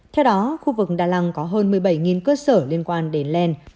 theo đó khu vực đà lạt có hơn một mươi bảy cơ sở liên quan đến len